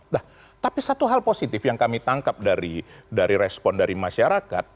nah tapi satu hal positif yang kami tangkap dari respon dari masyarakat